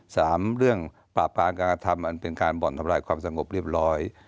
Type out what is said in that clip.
สามเรื่องปรากฏการณ์การทำเป็นการบ่อนทำร้ายความสงบเรียบร้อย